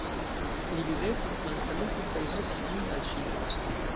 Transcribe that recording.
Li ridetis, mansalutis kaj vokis min al si.